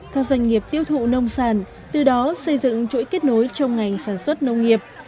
các doanh nghiệp tiêu thụ nông sản từ đó xây dựng chuỗi kết nối trong ngành sản xuất nông nghiệp